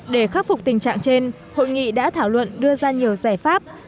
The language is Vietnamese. để khắc phục tình trạng trên hội nghị đã thảo luận đưa ra nhiều giải pháp